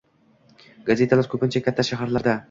Gazetalar ko'pincha katta shaharlarda